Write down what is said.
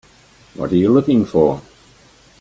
What are you looking for?